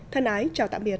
thân ái chào tạm biệt